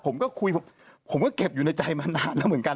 ผมก็คุยผมก็เก็บอยู่ในใจมานานแล้วเหมือนกัน